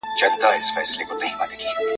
ور آزاد به وي مزلونه ..